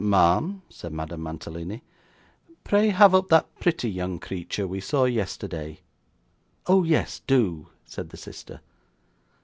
'Ma'am,' said Madame Mantalini. 'Pray have up that pretty young creature we saw yesterday.' 'Oh yes, do,' said the sister.